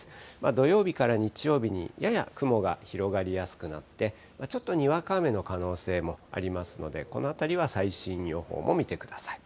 土曜日から日曜日に、やや雲が広がりやすくなって、ちょっとにわか雨の可能性もありますので、このあたりは最新予報も見てください。